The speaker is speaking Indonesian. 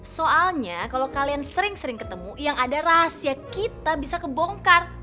soalnya kalau kalian sering sering ketemu yang ada rahasia kita bisa kebongkar